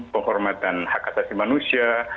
penghormatan hak asasi manusia